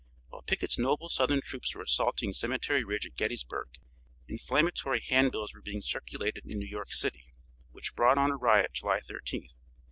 While Pickett's noble southern troops were assaulting Cemetery Ridge at Gettysburg, inflammatory handbills were being circulated in New York city, which brought on a riot July 13th.